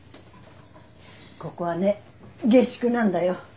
ここはね下宿なんだよ。